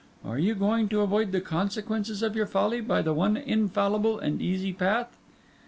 Are you going to avoid the consequences of your folly by the one infallible and easy path?